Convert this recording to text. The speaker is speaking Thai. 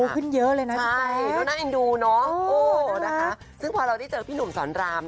ของพี่หนุ่มสอนราม